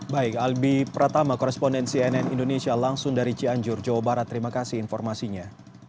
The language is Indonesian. baik albi pratama koresponden cnn indonesia langsung dari cianjur jawa barat terima kasih informasinya